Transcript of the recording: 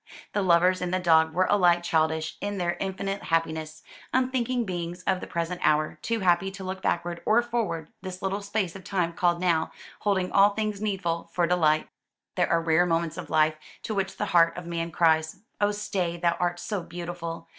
The lovers and the dog were alike childish in their infinite happiness, unthinking beings of the present hour, too happy to look backward or forward, this little space of time called "now" holding all things needful for delight. These are the rare moments of life, to which the heart of man cries, "Oh stay, thou art so beautiful!"